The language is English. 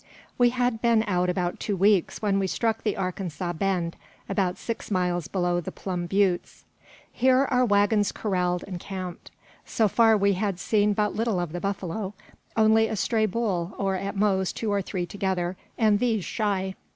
We had been out about two weeks when we struck the Arkansas "bend," about six miles below the Plum Buttes. Here our waggons corralled and camped. So far we had seen but little of the buffalo; only a stray bull, or, at most, two or three together, and these shy.